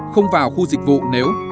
không vào khu dịch vụ nếu